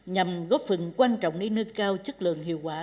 nhằm góp phần quan trọng để nâng cao chất lượng hiệu quả